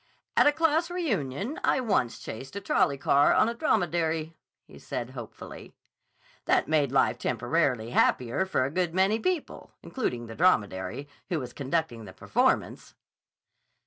"At a class reunion I once chased a trolley car on a dromedary," he said hopefully. "That made life temporarily happier for a good many people, including the dromedary, who was conducting the performance."